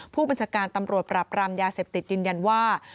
ผู้บัญชาการตำรวจปราบรามยาเสพติดยืนยันว่า